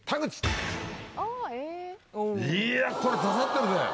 いやこれ刺さってるぜ！